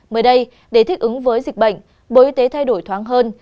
mới đây để thích ứng với dịch bệnh bộ y tế thay đổi thoáng hơn